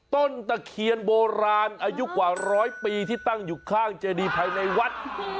ต้นตะเคียนโบราณอายุกว่าร้อยปีที่ตั้งอยู่ข้างเจดีภายในวัด